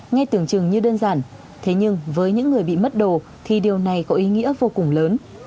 nghe tưởng chừng như đơn giản thế nhưng với những người bị mất đồ thì điều này có ý nghĩa vô cùng lớn